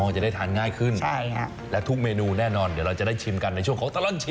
จะได้ทานง่ายขึ้นและทุกเมนูแน่นอนเดี๋ยวเราจะได้ชิมกันในช่วงของตลอดชิม